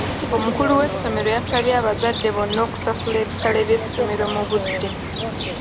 Omukulu w'essomero yasabye abazadde bonna okusasula ebisale by'essomero mu budde.